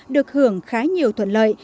được hưởng khá nhiều thuận lợi